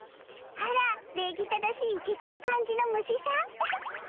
あら礼儀正しいイケてる感じの虫さんウフッ。